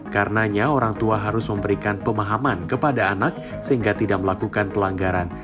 karenanya orang tua harus memberikan pemahaman kepada anak sehingga tidak melakukan pelanggaran